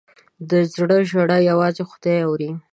د زړه ژړا یوازې خدای اوري.